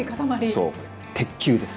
そう鉄球です。